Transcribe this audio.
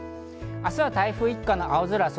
明日は台風一過の青空。